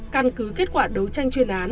căn cứ kết quả đấu tranh chuyên án